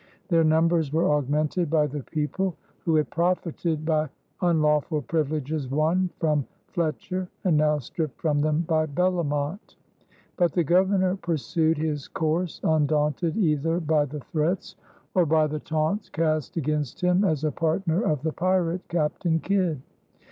Their numbers were augmented by the people who had profited by unlawful privileges won from Fletcher and now stripped from them by Bellomont; but the Governor pursued his course undaunted either by the threats or by the taunts cast against him as a partner of the pirate, Captain Kidd.